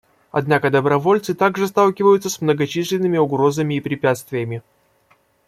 Однако добровольцы также сталкиваются с многочисленными угрозами и препятствиями.